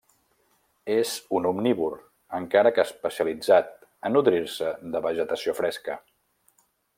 És un omnívor, encara que especialitzat a nodrir-se de vegetació fresca.